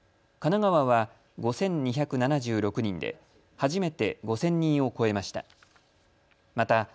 神奈川は５２７６人で初めて５０００人を超えました。